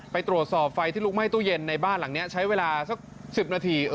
ไปตรวจสอบไฟที่ลุกไหม้ตู้เย็นในบ้านหลังนี้ใช้เวลาสัก๑๐นาที